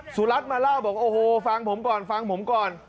สุรัสต์มาเล่าบอกโอ้โหฟังผมก่อน